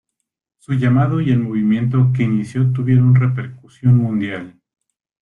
Su llamado y el movimiento que inició tuvieron repercusión mundial.